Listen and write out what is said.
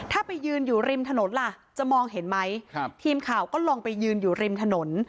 ถ้าไปยืนอยู่ริมถนนล่ะจะมองเห็นไหมครับทีมข่าวก็ลองไปยืนอยู่ริมถนน